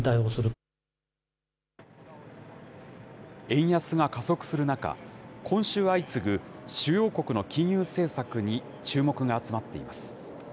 円安が加速する中、今週相次ぐ主要国の金融政策に注目が集まっています。